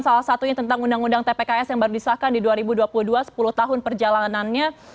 salah satunya tentang undang undang tpks yang baru disahkan di dua ribu dua puluh dua sepuluh tahun perjalanannya